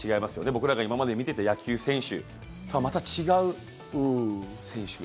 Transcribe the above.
僕らが今まで見ていた野球選手とはまた違う選手が。